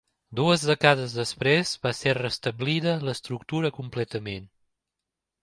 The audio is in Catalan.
Dues dècades després va ser restablida l'estructura completament.